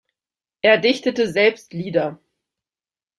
Er dichtete selbst Lieder.